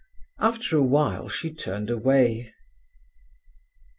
After a while she turned away.